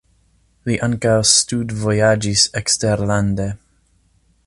Li ankaŭ studvojaĝis eksterlande.